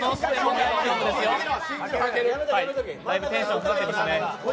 だいぶテンションかかってきましたね。